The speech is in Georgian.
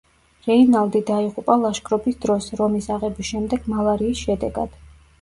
რეინალდი დაიღუპა ლაშქრობის დროს, რომის აღების შემდეგ მალარიის შედეგად.